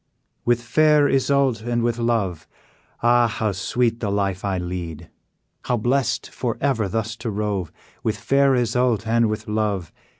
"With fair Isoude, and with love, Ah! how sweet the life I lead! How blest for ever thus to rove, With fair Isoude, and with love!